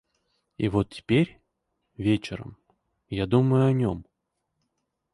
И вот теперь, вечером, я думаю о нем.